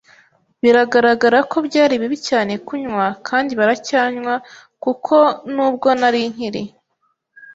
biragaragara ko byari bibi cyane kunywa, kandi baracyanywa, kuko nubwo nari nkiri